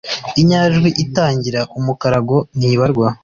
inyajwi itangira umukarago ntibarwa